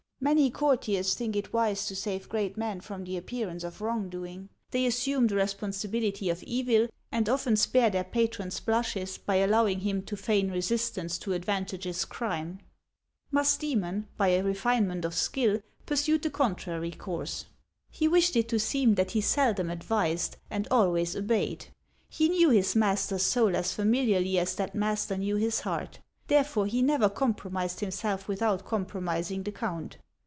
Many courtiers think it wise to save great men from the appearance of wrong doing ; they assume the responsibility of evil, and often spare their patron's blushes by allowing him to feign re sistance to advantageous crime. Musdremon, by a refine ment of skill, pursued the contrary course. He wished it to seem that he seldom advised, and always obeyed. He knew his master's soul as familiarly as that master knew his heart ; therefore he never compromised himself without compromising the count.